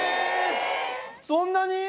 そんなに？